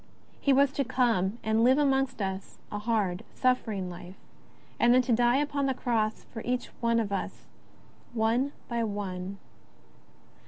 He was to come and live amongst us a hard, suffering Life, and then to die upon the Cross for each of us one by one.